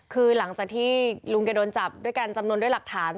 คือหลังจากที่ลุงแกโดนจับด้วยกันจำนวนด้วยหลักฐาน